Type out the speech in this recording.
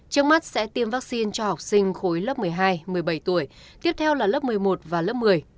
trước mắt sẽ tiêm vaccine cho học sinh khối lớp một mươi hai một mươi bảy tuổi tiếp theo là lớp một mươi một và lớp một mươi